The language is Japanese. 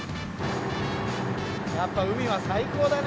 やっぱ海は最高だね。